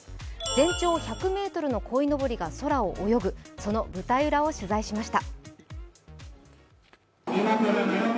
全長１００ｍのこいのぼりが空を泳ぐ、その舞台裏を取材しました。